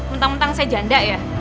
mentang mentang saya janda ya